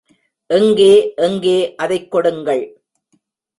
எங்கே எங்கே அதைக் கொடுங்கள்!